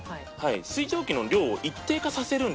水蒸気の量を一定化させるんですね。